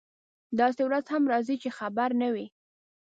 داسې ورځ هم راځي چې خبر نه وي.